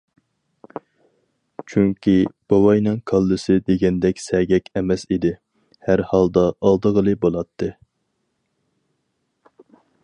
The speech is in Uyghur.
چۈنكى، بوۋاينىڭ كاللىسى دېگەندەك سەگەك ئەمەس ئىدى، ھەر ھالدا ئالدىغىلى بولاتتى.